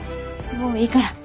もういいから。